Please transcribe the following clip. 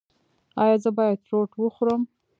ایا زه باید روټ وخورم؟